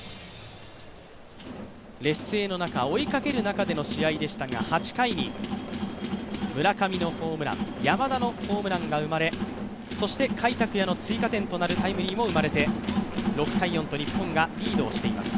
劣勢の中、追いかける中での試合でしたが８回に村上のホームラン山田のホームランが生まれそして甲斐拓也の追加点となるタイムリーも生まれて６−４と日本がリードをしています。